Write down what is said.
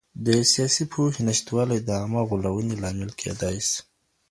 د سياسي پوهي نشتوالی د عامه غولونې لامل کېدای سي.